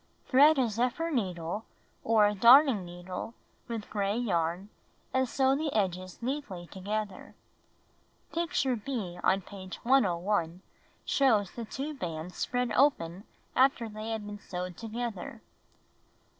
Thread a zephyr needle or a darning needle with gray yarn, and sew the edges neatly together. (Picture B on page 101 shows the two bands spread open after they have been sewed together.)